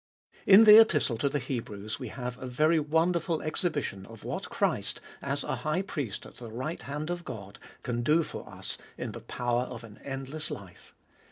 In the Epistle to the Hebrews we have a very wonderful exhibition of what Christ, as a High Priest at the right hand of God, can do for us in the power of an endless life.